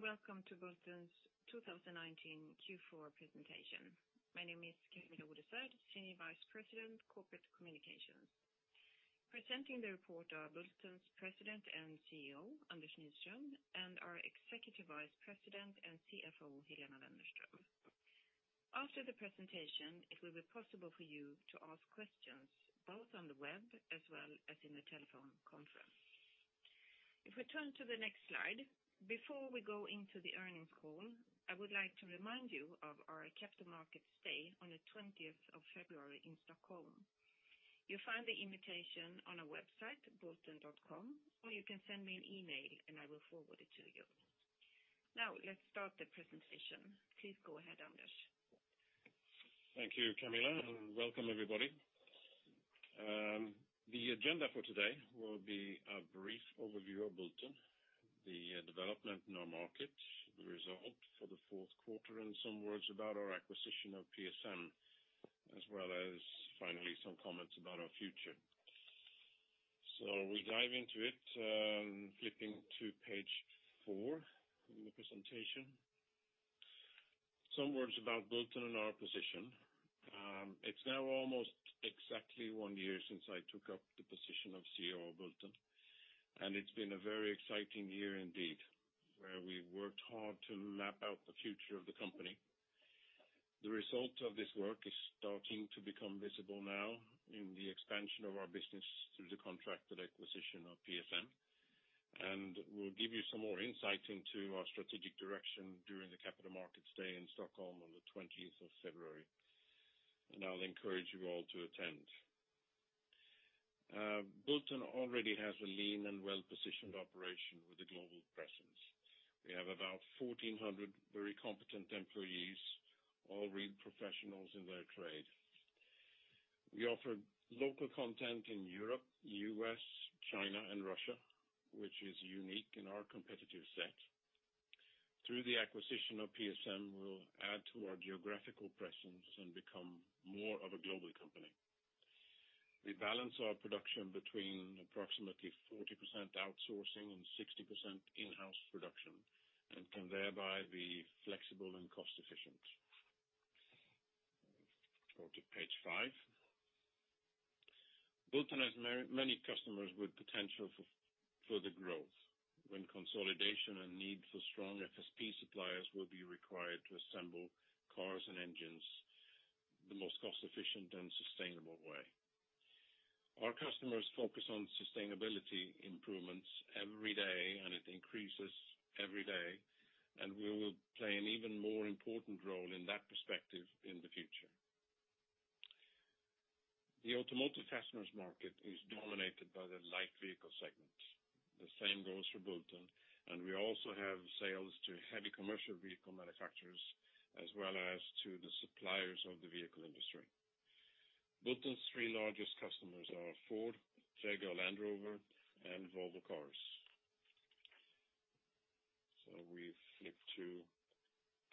Hello, and welcome to Bulten's 2019 Q4 presentation. My name is Kamilla Oresvärd, senior vice president, corporate communications. Presenting the report are Bulten's President and CEO, Anders Nyström, and our Executive Vice President and CFO, Helena Wennerström. After the presentation, it will be possible for you to ask questions, both on the web as well as in the telephone conference. If we turn to the next slide, before we go into the earnings call, I would like to remind you of our Capital Markets Day on the 20th of February in Stockholm. You'll find the invitation on our website, bulten.com, or you can send me an email, and I will forward it to you. Now, let's start the presentation. Please go ahead, Anders. Thank you, Kamilla. Welcome everybody. The agenda for today will be a brief overview of Bulten, the development in our market, the result for the fourth quarter, and some words about our acquisition of PSM, as well as finally, some comments about our future. We dive into it, flipping to page four in the presentation. Some words about Bulten and our position. It's now almost exactly one year since I took up the position of CEO of Bulten, and it's been a very exciting year indeed, where we worked hard to map out the future of the company. The result of this work is starting to become visible now in the expansion of our business through the contracted acquisition of PSM. We'll give you some more insight into our strategic direction during the Capital Markets Day in Stockholm on the 20th of February, and I'll encourage you all to attend. Bulten already has a lean and well-positioned operation with a global presence. We have about 1,400 very competent employees, all real professionals in their trade. We offer local content in Europe, U.S., China, and Russia, which is unique in our competitive set. Through the acquisition of PSM, we'll add to our geographical presence and become more of a global company. We balance our production between approximately 40% outsourcing and 60% in-house production, and can thereby be flexible and cost-efficient. Go to page five. Bulten has many customers with potential for further growth when consolidation and need for strong FSP suppliers will be required to assemble cars and engines the most cost-efficient and sustainable way. Our customers focus on sustainability improvements every day, and it increases every day, and we will play an even more important role in that perspective in the future. The automotive fasteners market is dominated by the light vehicle segment. The same goes for Bulten, and we also have sales to heavy commercial vehicle manufacturers, as well as to the suppliers of the vehicle industry. Bulten's three largest customers are Ford, Jaguar Land Rover, and Volvo Cars. We flip to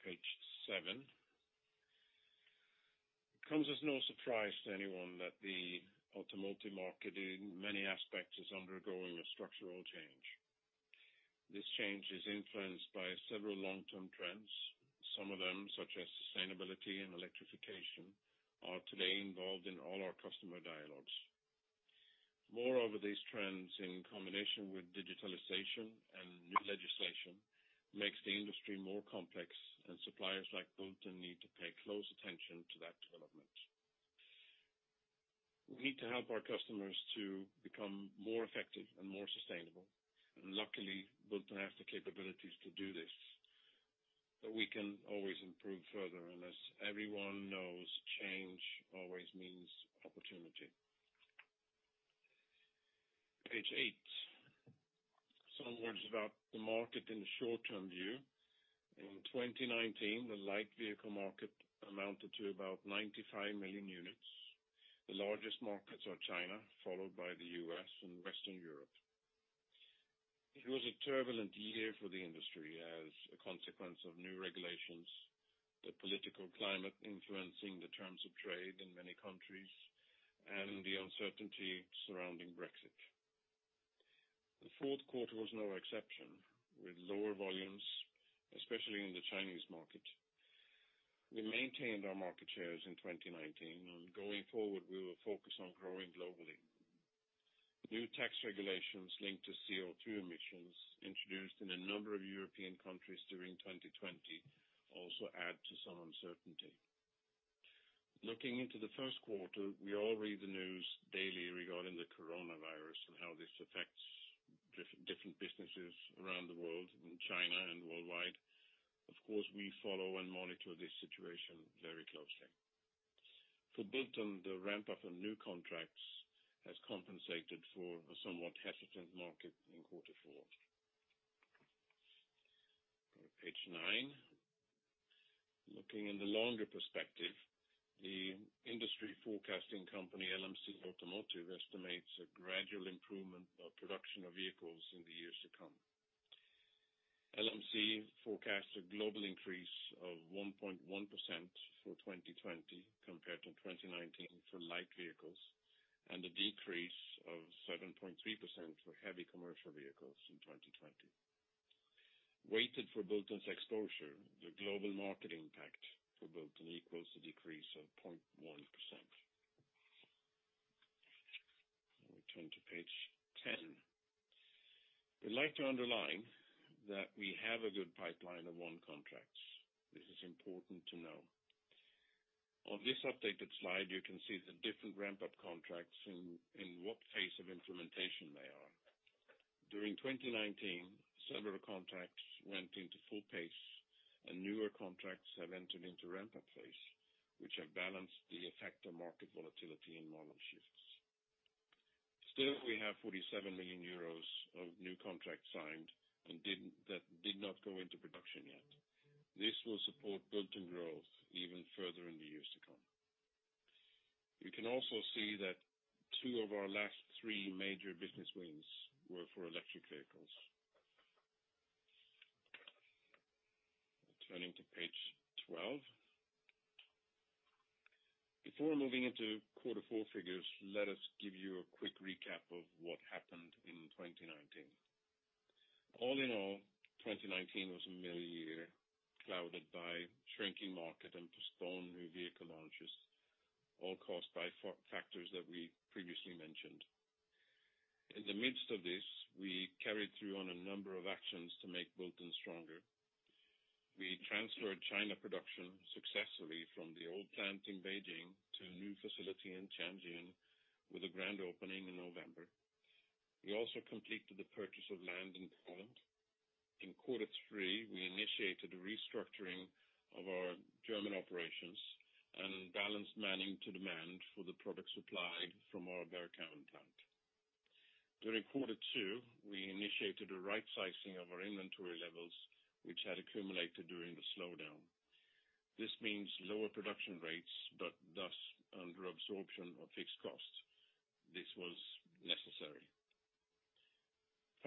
page seven. It comes as no surprise to anyone that the automotive market in many aspects is undergoing a structural change. This change is influenced by several long-term trends. Some of them, such as sustainability and electrification, are today involved in all our customer dialogues. Moreover, these trends, in combination with digitalization and new legislation, makes the industry more complex, and suppliers like Bulten need to pay close attention to that development. We need to help our customers to become more effective and more sustainable, and luckily, Bulten has the capabilities to do this. We can always improve further, and as everyone knows, change always means opportunity. Page eight. Some words about the market in the short-term view. In 2019, the light vehicle market amounted to about 95 million units. The largest markets are China, followed by the U.S. and Western Europe. It was a turbulent year for the industry as a consequence of new regulations, the political climate influencing the terms of trade in many countries, and the uncertainty surrounding Brexit. The fourth quarter was no exception. With lower volumes, especially in the Chinese market, we maintained our market shares in 2019, and going forward, we will focus on growing globally. New tax regulations linked to CO2 emissions introduced in a number of European countries during 2020 also add to some uncertainty. Looking into the first quarter, we all read the news daily regarding the coronavirus and how this affects different businesses around the world, in China and worldwide. Of course, we follow and monitor this situation very closely. For Bulten, the ramp-up of new contracts has compensated for a somewhat hesitant market in quarter four. Go to page nine. Looking in the longer perspective, the industry forecasting company, LMC Automotive, estimates a gradual improvement of production of vehicles in the years to come. LMC forecasts a global increase of 1.1% for 2020 compared to 2019 for light vehicles. A decrease of 7.3% for heavy commercial vehicles in 2020. Weighted for Bulten's exposure, the global market impact for Bulten equals a decrease of 0.1%. Now we turn to page 10. We'd like to underline that we have a good pipeline of won contracts. This is important to know. On this updated slide, you can see the different ramp-up contracts and in what phase of implementation they are. During 2019, several contracts went into full pace and newer contracts have entered into ramp-up phase, which have balanced the effect of market volatility and model shifts. Still, we have 47 million euros of new contracts signed that did not go into production yet. This will support Bulten growth even further in the years to come. You can also see that two of our last three major business wins were for electric vehicles. Turning to page 12. Before moving into quarter four figures, let us give you a quick recap of what happened in 2019. All in all, 2019 was a muted year, clouded by shrinking market and postponed new vehicle launches, all caused by factors that we previously mentioned. In the midst of this, we carried through on a number of actions to make Bulten stronger. We transferred China production successfully from the old plant in Beijing to a new facility in Changchun with a grand opening in November. We also completed the purchase of land in Poland. In quarter three, we initiated a restructuring of our German operations and balanced manning to demand for the product supplied from our Bergkamen plant. During quarter two, we initiated a right-sizing of our inventory levels, which had accumulated during the slowdown. Thus under absorption of fixed costs. This was necessary.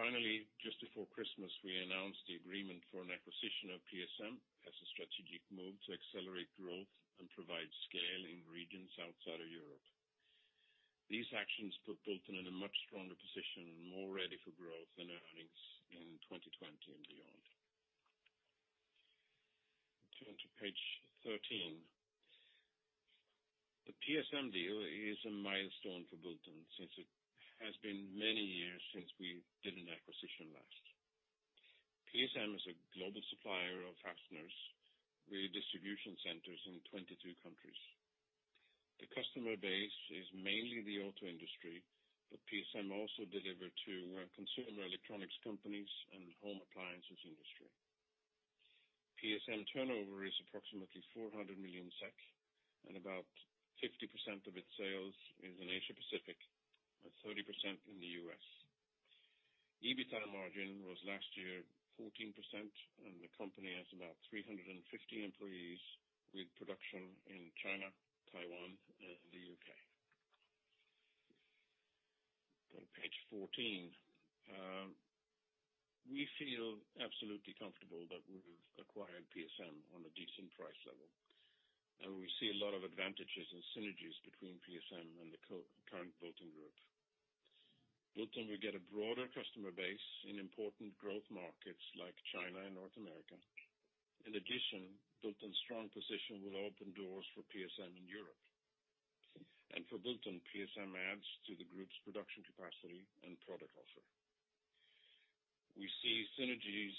Finally, just before Christmas, we announced the agreement for an acquisition of PSM as a strategic move to accelerate growth and provide scale in regions outside of Europe. These actions put Bulten in a much stronger position and more ready for growth and earnings in 2020 and beyond. Turn to page 13. The PSM deal is a milestone for Bulten since it has been many years since we did an acquisition last. PSM is a global supplier of fasteners with distribution centers in 22 countries. The customer base is mainly the auto industry, PSM also deliver to consumer electronics companies and home appliances industry. PSM turnover is approximately 400 million SEK, about 50% of its sales is in Asia Pacific and 30% in the U.S. EBITDA margin was last year 14%, the company has about 350 employees with production in China, Taiwan, and the U.K. On page 14, we feel absolutely comfortable that we've acquired PSM on a decent price level, we see a lot of advantages and synergies between PSM and the current Bulten group. Bulten will get a broader customer base in important growth markets like China and North America. In addition, Bulten's strong position will open doors for PSM in Europe. For Bulten, PSM adds to the group's production capacity and product offer. We see synergies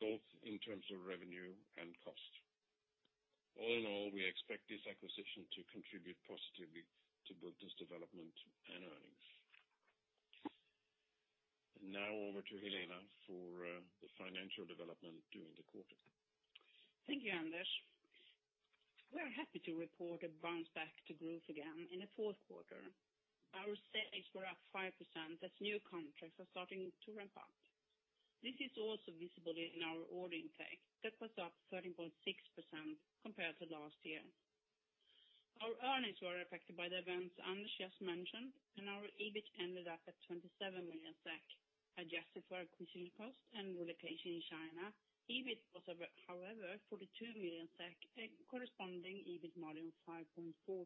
both in terms of revenue and cost. All in all, we expect this acquisition to contribute positively to Bulten's development and earnings. Now over to Helena for the financial development during the quarter. Thank you, Anders. We are happy to report a bounce back to growth again in the fourth quarter. Our sales were up 5% as new contracts are starting to ramp up. This is also visible in our order intake. That was up 13.6% compared to last year. Our earnings were affected by the events Anders just mentioned, and our EBIT ended up at 27 million SEK, adjusted for acquisition costs and relocation in China. EBIT was, however, 42 million SEK, a corresponding EBIT margin of 5.4%.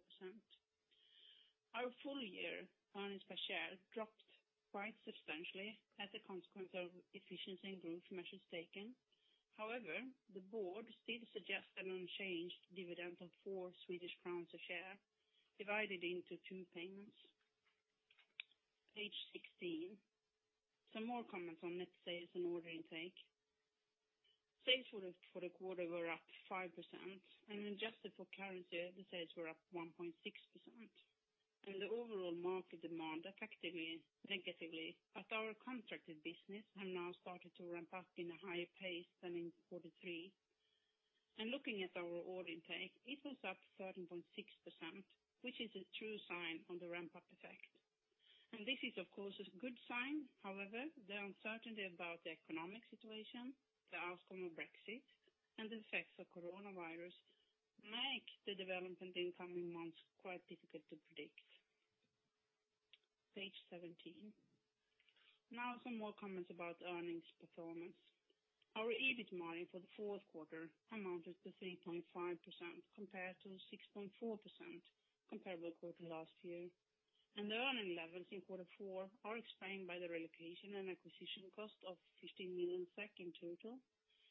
Our full year earnings per share dropped quite substantially as a consequence of efficiency and growth measures taken. However, the board still suggests an unchanged dividend of SEK four a share, divided into two payments. Page 16. Some more comments on net sales and order intake. Sales for the quarter were up 5%, and adjusted for currency, the sales were up 1.6%. The overall market demand effectively negatively at our contracted business have now started to ramp up in a higher pace than in quarter three. Looking at our order intake, it was up 13.6%, which is a true sign on the ramp-up effect. This is of course a good sign. However, the uncertainty about the economic situation, the outcome of Brexit, and the effects of coronavirus make the development in coming months quite difficult to predict. Page 17. Now some more comments about earnings performance. Our EBIT margin for the fourth quarter amounted to 3.5% compared to 6.4% comparable quarter last year. The earning levels in quarter four are explained by the relocation and acquisition cost of 15 million SEK in total,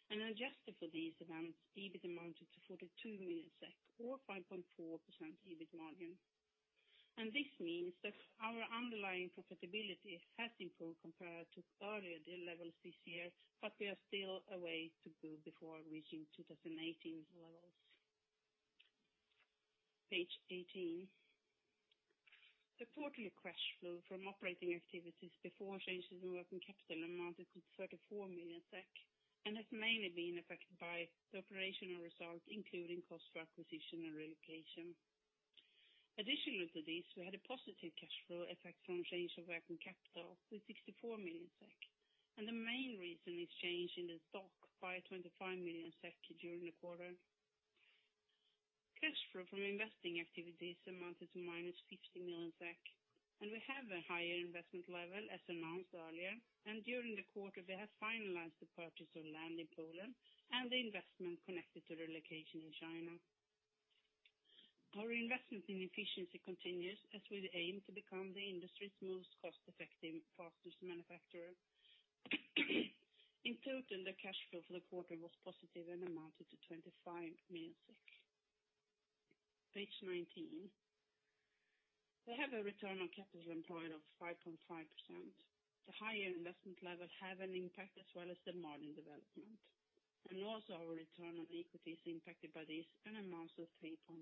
and adjusted for these events, EBIT amounted to 42 million SEK or 5.4% EBIT margin. This means that our underlying profitability has improved compared to earlier deal levels this year, but we are still a way to go before reaching 2018 levels. Page 18. The quarterly cash flow from operating activities before changes in working capital amounted to 34 million SEK and has mainly been affected by the operational result, including cost of acquisition and relocation. Additionally to this, we had a positive cash flow effect from change of working capital with 64 million SEK, and the main reason is change in the stock by 25 million SEK during the quarter. Cash flow from investing activities amounted to minus 50 million, and we have a higher investment level as announced earlier. During the quarter, we have finalized the purchase of land in Poland and the investment connected to relocation in China. Our investment in efficiency continues as we aim to become the industry's most cost-effective fasteners manufacturer. In total, the cash flow for the quarter was positive and amounted to 25 million. Page 19. We have a return on capital employed of 5.5%. The higher investment level have an impact as well as the margin development, and also our return on equity is impacted by this and amounts of 3.5%.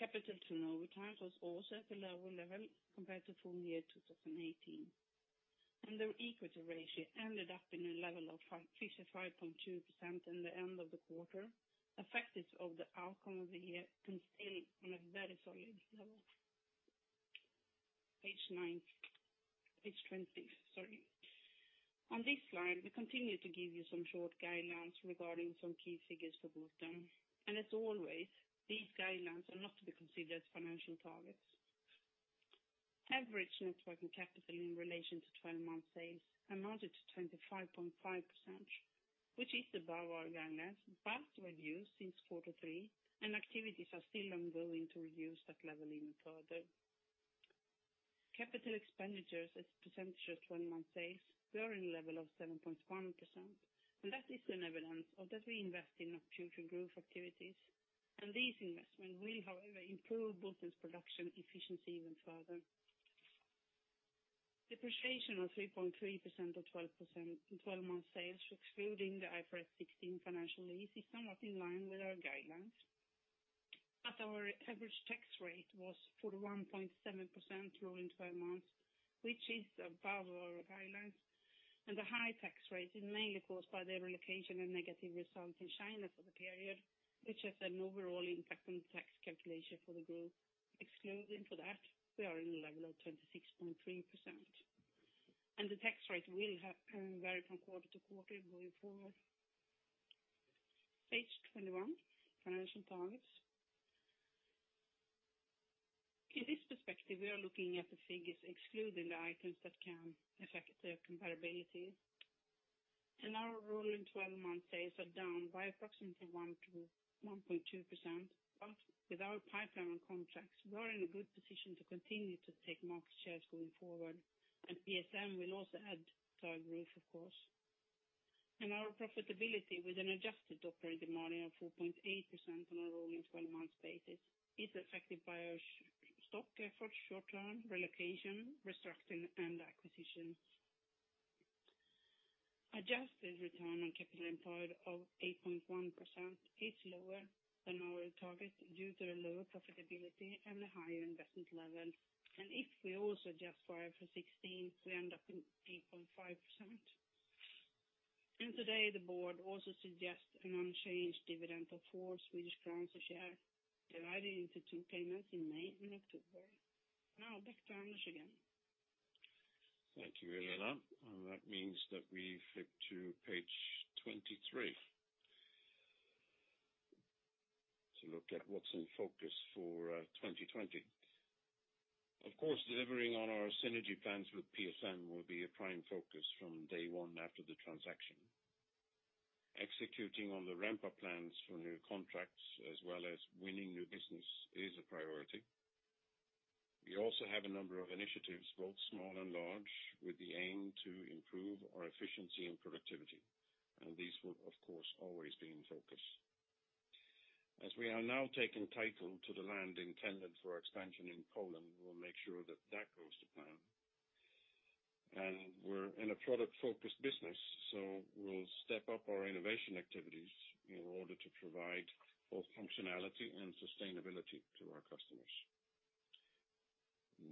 Capital turnover times was also at a lower level compared to full year 2018. Our equity ratio ended up in a level of 55.2% in the end of the quarter, affected of the outcome of the year and still on a very solid level. Page 26. On this slide, we continue to give you some short guidelines regarding some key figures for Bulten. As always, these guidelines are not to be considered financial targets. Average net working capital in relation to 12-month sales amounted to 25.5%, which is above our guidelines, but reduced since quarter three, and activities are still ongoing to reduce that level even further. Capital expenditures as percentage of 12-month sales were in a level of 7.1%, and that is an evidence of that we invest in our future growth activities. These investments will, however, improve Bulten's production efficiency even further. Depreciation of 3.3% of 12-month sales, excluding the IFRS 16 financial lease, is somewhat in line with our guidelines. Our average tax rate was 41.7% rolling 12 months, which is above our guidelines, and the high tax rate is mainly caused by the relocation and negative results in China for the period, which has an overall impact on the tax calculation for the group. Excluding for that, we are in a level of 26.3%. The tax rate will vary from quarter to quarter going forward. Page 21, financial targets. In this perspective, we are looking at the figures excluding the items that can affect the comparability. Our rolling 12-month sales are down by approximately 1%-1.2%, but with our pipeline of contracts, we are in a good position to continue to take market shares going forward, PSM will also add to our growth, of course. Our profitability with an adjusted operating margin of 4.8% on a rolling 12 months basis is affected by our stock for short term, relocation, restructuring, and acquisitions. Adjusted return on capital employed of 8.1% is lower than our target due to the lower profitability and the higher investment level. If we also adjust for IFRS 16, we end up in 8.5%. Today, the board also suggests an unchanged dividend of four SEK a share, divided into two payments in May and October. Back to Anders again. Thank you, Helena. That means that we flip to page 23 to look at what's in focus for 2020. Of course, delivering on our synergy plans with PSM will be a prime focus from day one after the transaction. Executing on the ramp-up plans for new contracts as well as winning new business is a priority. We also have a number of initiatives, both small and large, with the aim to improve our efficiency and productivity. These will, of course, always be in focus. As we are now taking title to the land intended for expansion in Poland, we will make sure that that goes to plan. We're in a product-focused business, so we'll step up our innovation activities in order to provide both functionality and sustainability to our customers.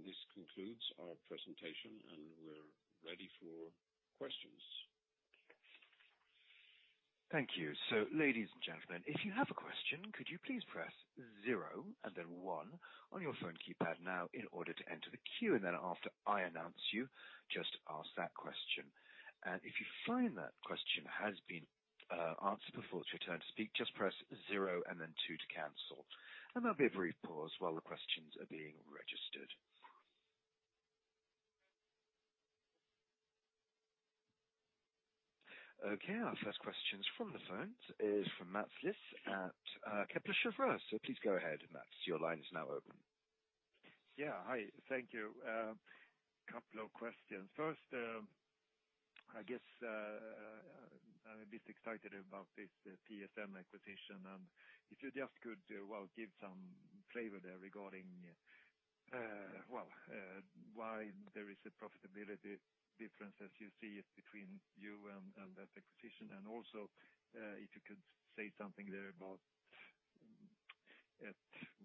This concludes our presentation, and we're ready for questions. Thank you. Ladies and gentlemen, if you have a question, could you please press zero and then one on your phone keypad now in order to enter the queue? After I announce you, just ask that question. If you find that question has been answered before it's your turn to speak, just press zero and then two to cancel. There'll be a brief pause while the questions are being registered. Okay. Our first question from the phones is from Mats Liss at Kepler Cheuvreux. Please go ahead, Mats. Your line is now open. Yeah. Hi, thank you. A couple of questions. First, I guess, I'm a bit excited about this PSM acquisition. If you just could give some flavor there regarding why there is a profitability difference as you see it between you and that acquisition, and also, if you could say something there about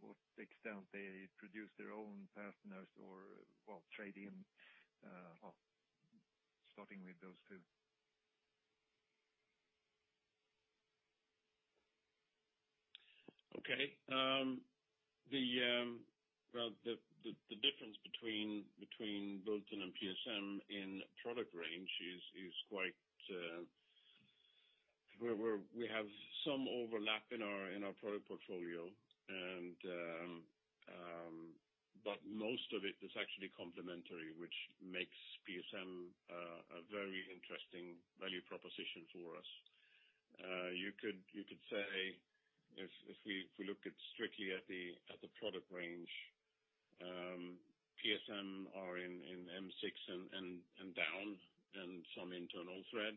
what extent they produce their own fasteners or trade-in, starting with those two. Okay. The difference between Bulten and PSM in product range is quite. We have some overlap in our product portfolio, but most of it is actually complementary, which makes PSM a very interesting value proposition for us. You could say, if we look strictly at the product range, PSM are in M6 and down, and some internal thread,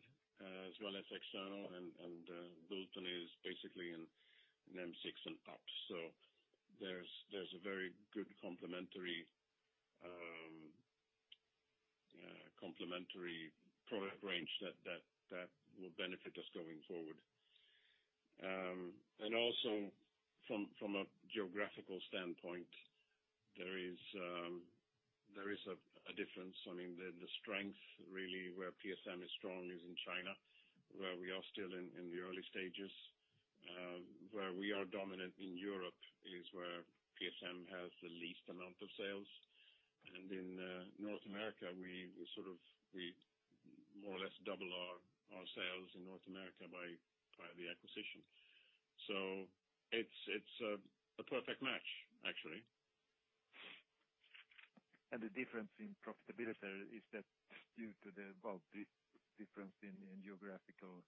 as well as external, and Bulten is basically in M6 and up. There's a very good complementary product range that will benefit us going forward. Also from a geographical standpoint, there is a difference. The strength, really, where PSM is strong is in China, where we are still in the early stages. Where we are dominant in Europe is where PSM has the least amount of sales. In North America, we more or less double our sales in North America by the acquisition. It's a perfect match, actually. The difference in profitability, is that due to the difference in geographical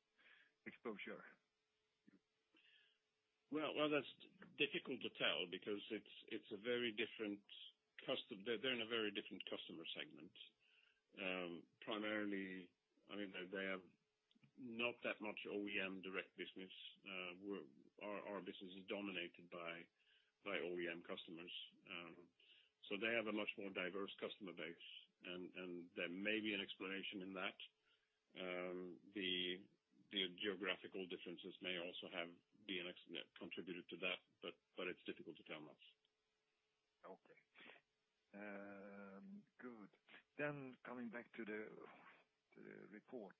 exposure? Well, that's difficult to tell because they're in a very different customer segment. Primarily, they have not that much OEM direct business. Our business is dominated by OEM customers. They have a much more diverse customer base, and there may be an explanation in that. The geographical differences may also have contributed to that, it's difficult to tell, Mats. Okay. Good. Coming back to the report.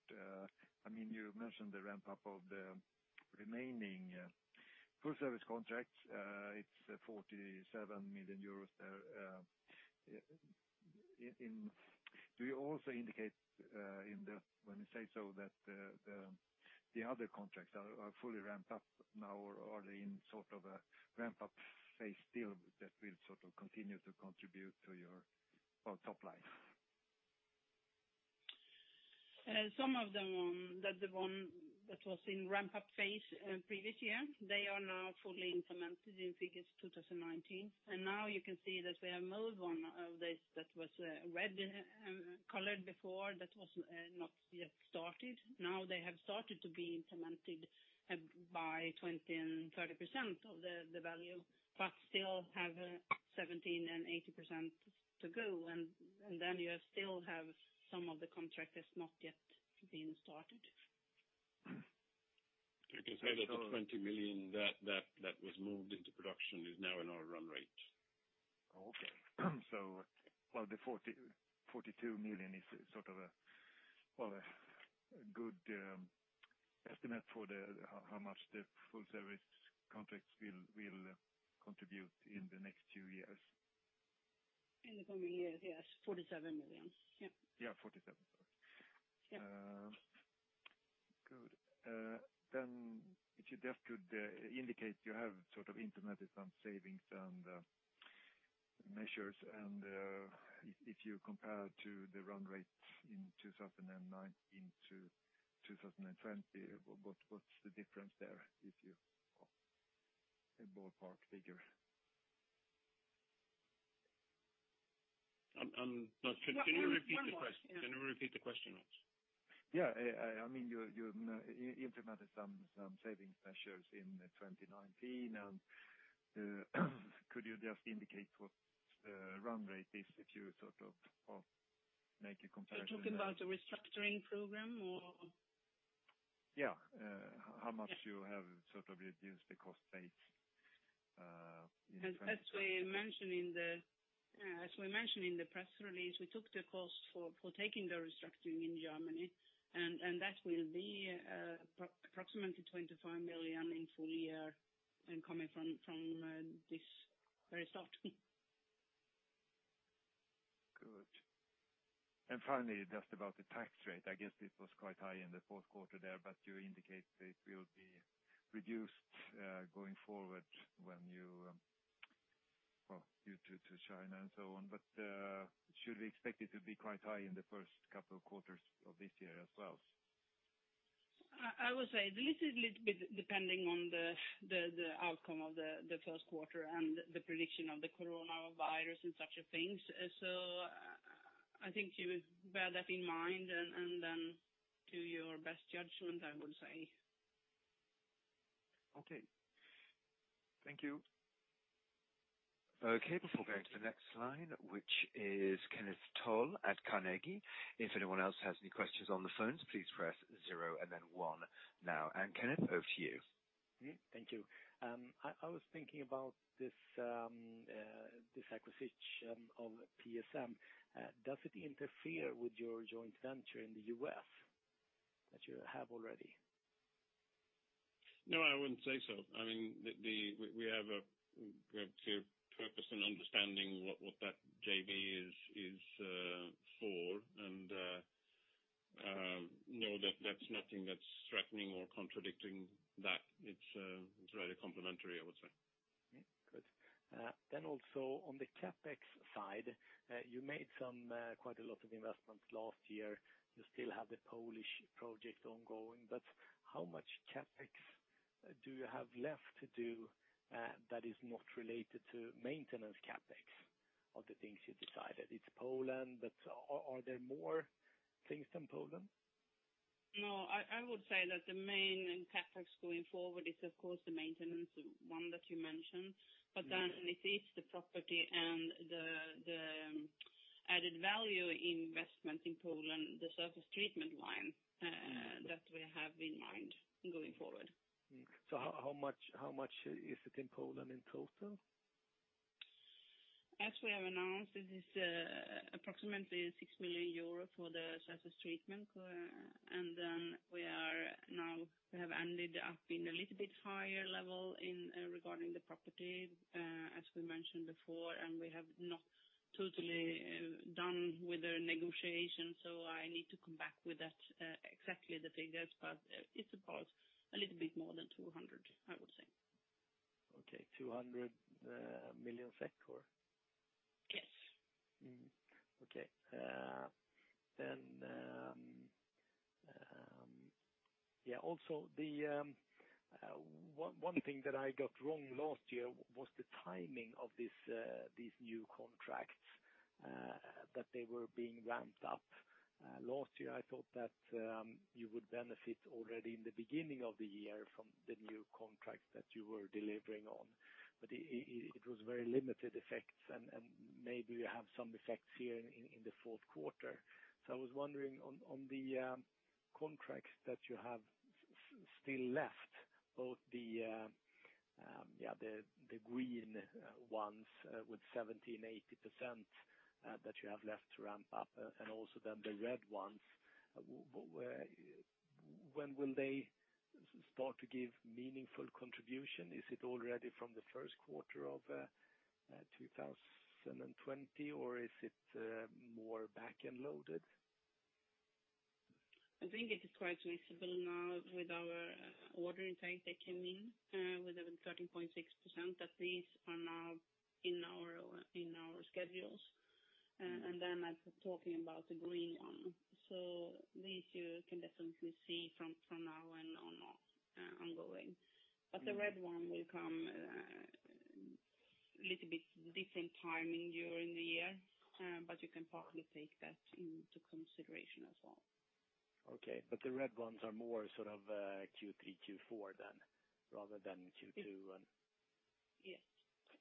You mentioned the ramp-up of the remaining full service contracts. It's 47 million euros there. Do you also indicate when you say so that the other contracts are fully ramped up now, or are they in a ramp-up phase still that will continue to contribute to your top line? Some of them, the one that was in ramp-up phase previous year, they are now fully implemented in figures 2019. Now you can see that we have moved one of this that was red colored before, that was not yet started. Now they have started to be implemented by 20% and 30% of the value, still have 70% and 80% to go, you still have some of the contractors not yet being started. You can say that the 20 million that was moved into production is now in our run rate. Okay. The 42 million is a good estimate for how much the full service contracts will contribute in the next two years. In the coming year, yes, EUR 47 million. Yeah. Yeah, 47. Yeah. Good. If you just could indicate, you have implemented some savings and measures, and if you compare to the run rates in 2019-2020, what's the difference there, if you have a ballpark figure? Can you repeat the question, Mats? Yeah. You implemented some savings measures in 2019. Could you just indicate what the run rate is if you make a comparison? You're talking about the restructuring program, or? Yeah. How much you have reduced the cost base in France? As we mentioned in the press release, we took the cost for taking the restructuring in Germany, and that will be approximately 25 million in full year and coming from this very start. Good. Finally, just about the tax rate. I guess it was quite high in the fourth quarter there, but you indicate that it will be reduced going forward due to China and so on. Should we expect it to be quite high in the first couple of quarters of this year as well? I would say this is a little bit depending on the outcome of the first quarter and the prediction of the coronavirus and such things. I think you bear that in mind, and then do your best judgment, I would say. Okay. Thank you. Okay. Before going to the next line, which is Kenneth Toll at Carnegie, if anyone else has any questions on the phones, please press zero and then one now. Kenneth, over to you. Thank you. I was thinking about this acquisition of PSM. Does it interfere with your joint venture in the U.S. that you have already? No, I wouldn't say so. We have clear purpose and understanding what that JV is for, and no, that's nothing that's threatening or contradicting that. It's very complementary, I would say. Good. Also on the CapEx side, you made quite a lot of investments last year. You still have the Polish project ongoing, but how much CapEx do you have left to do that is not related to maintenance CapEx? Of the things you decided, it's Poland, but are there more things than Poland? No, I would say that the main CapEx going forward is of course the maintenance one that you mentioned. It is the property and the added value investment in Poland, the surface treatment line that we have in mind going forward. How much is it in Poland in total? We have announced, it is approximately 6 million euros for the surface treatment. We have ended up in a little bit higher level regarding the property, as we mentioned before, and we have not totally done with the negotiation. I need to come back with exactly the figures, but it's about a little bit more than 200 million, I would say. Okay. 200 million SEK? Yes. Okay. Also one thing that I got wrong last year was the timing of these new contracts, that they were being ramped up. Last year, I thought that you would benefit already in the beginning of the year from the new contracts that you were delivering on. It was very limited effects, and maybe you have some effects here in the fourth quarter. I was wondering on the contracts that you have still left, both the green ones with 70% and 80% that you have left to ramp up, and also then the red ones, when will they start to give meaningful contribution? Is it already from the first quarter of 2020, or is it more back-end loaded? I think it is quite visible now with our order intake that came in with the 13.6%, that these are now in our schedules. I'm talking about the green one. These you can definitely see from now on ongoing. The red one will come little bit different timing during the year. You can partly take that into consideration as well. Okay. The red ones are more Q3, Q4 then, rather than Q2 one? Yes.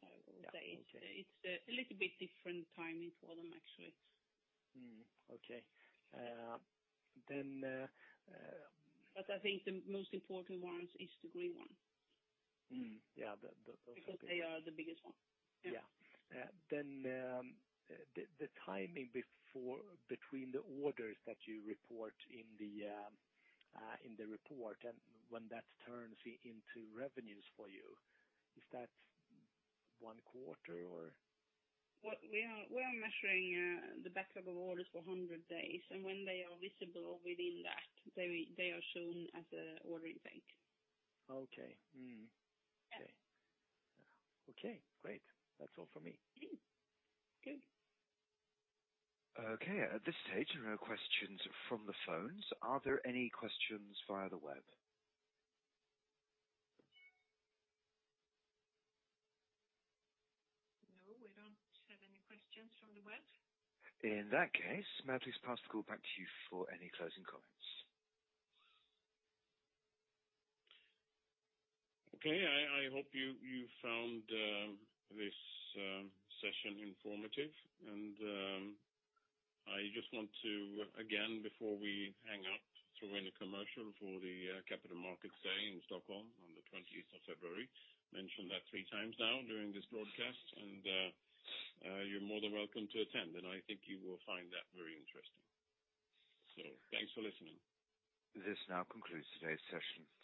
I would say it's a little bit different timing for them, actually. Okay. I think the most important ones is the green one. Yeah. They are the biggest one. Yeah. The timing between the orders that you report in the report and when that turns into revenues for you, is that one quarter or? We are measuring the backup orders for 100 days. When they are visible within that, they are shown as a order intake. Okay. Yeah. Okay, great. That's all from me. Good. Okay. At this stage, there are no questions from the phones. Are there any questions via the web? No. We don't have any questions from the web. In that case, Mattias, pass the call back to you for any closing comments. I hope you found this session informative. I just want to, again, before we hang up, throw in a commercial for the Capital Markets Day in Stockholm on the 20th of February. Mentioned that three times now during this broadcast. You're more than welcome to attend, and I think you will find that very interesting. Thanks for listening. This now concludes today's session.